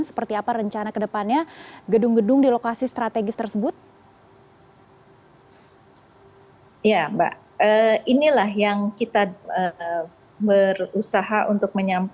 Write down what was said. seperti apa rencana kedepannya gedung gedung di lokasi jakarta